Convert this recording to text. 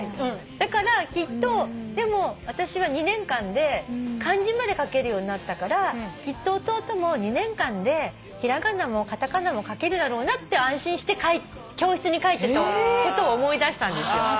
だからきっと私は２年間で漢字まで書けるようになったからきっと弟も２年間で平仮名も片仮名も書けるだろうなって安心して教室に帰ってたことを思い出したんですよ。